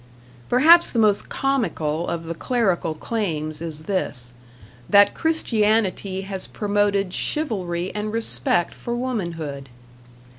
Perhaps the most comical of the clerical claims is this that Christianity has promoted chivalry and respect for womanhood.